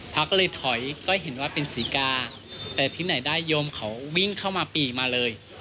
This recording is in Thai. พระก็เลยถอยก็เห็นว่าเป็นศรีกาแต่ที่ไหนได้โยมเขาวิ่งเข้ามาปีมาเลย